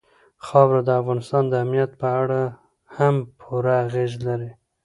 خاوره د افغانستان د امنیت په اړه هم پوره اغېز لري.